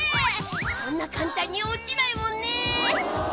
そんな簡単に落ちないもんね。